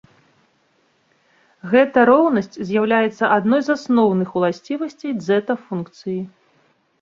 Гэта роўнасць з'яўляецца адной з асноўных уласцівасцей дзэта-функцыі.